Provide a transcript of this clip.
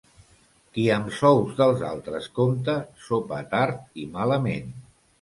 Qui amb sous dels altres compta, sopa tard i malament.